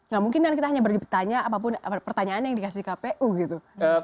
gak mungkin kan kita hanya beri pertanyaan apapun pertanyaan yang dikasih kpu gitu